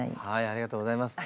ありがとうございます。